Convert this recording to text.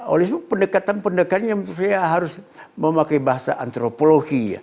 oleh itu pendekatan pendekannya harus memakai bahasa antropologi